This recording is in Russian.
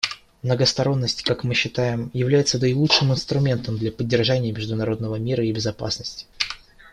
Многосторонность, как мы считаем, является наилучшим инструментом для поддержания международного мира и безопасности.